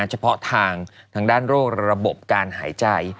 เฉพาะทางด้านโรคระบบการหายใจ